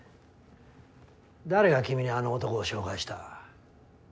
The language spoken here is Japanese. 誰が君にあの男を紹介した？